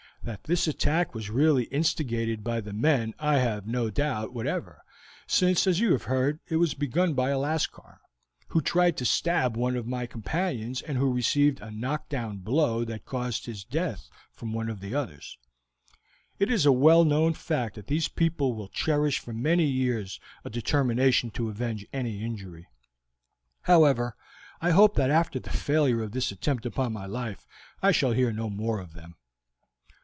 That this attack was really instigated by the men I have no doubt whatever, since, as you have heard, it was begun by a Lascar, who tried to stab one of my companions and who received a knockdown blow that caused his death from one of the others. It is a well known fact that these people will cherish for many years a determination to avenge any injury. However, I hope that after the failure of this attempt upon my life I shall hear no more of them."